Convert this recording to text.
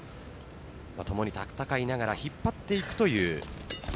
共に戦いながら引っ張っていくという。